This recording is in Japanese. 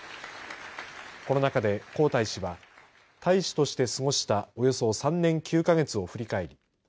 この中で孔大使は大使として過ごしたおよそ３年９か月を振り返り